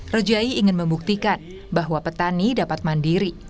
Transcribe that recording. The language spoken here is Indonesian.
rojai ingin membuktikan bahwa petani dapat mandiri